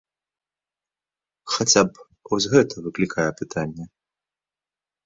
Хаця б вось гэта выклікае пытанні.